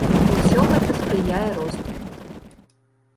Усё гэта спрыяе росту.